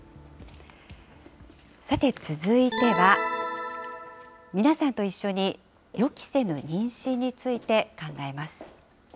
さて、続いては、皆さんと一緒に予期せぬ妊娠について考えます。